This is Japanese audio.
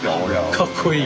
かっこいい。